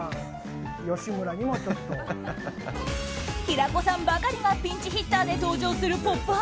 平子さんばかりがピンチヒッターで登場する「ポップＵＰ！」。